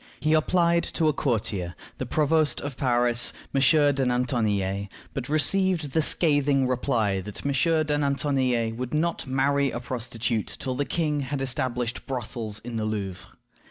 He applied to a courtier, the Provost of Paris, M. de Nantonillet, but received the scathing reply that "M. de Nantonillet would not marry a prostitute till the king had established brothels in the Louvre."